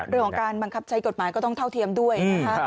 เรื่องของการบังคับใช้กฎหมายก็ต้องเท่าเทียมด้วย